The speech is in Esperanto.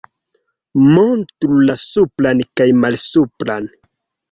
Montru la supran kaj malsupran